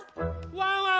・ワンワン